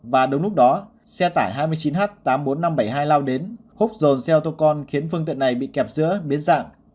và đúng lúc đó xe tải hai mươi chín h tám mươi bốn nghìn năm trăm bảy mươi hai lao đến húc dồn xe ô tô con khiến phương tiện này bị kẹp giữa biến dạng